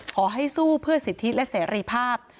ขอให้สู้เพื่อสิทธิและเสรีภาพ